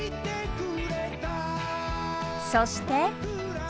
そして。